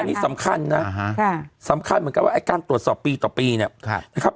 อันนี้สำคัญนะสำคัญเหมือนกันว่าไอ้การตรวจสอบปีต่อปีเนี่ยนะครับ